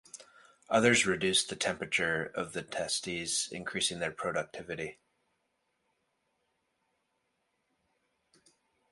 Others reduce the temperature of the testes increasing their productivity.